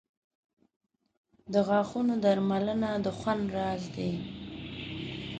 • د غاښونو درملنه د خوند راز دی.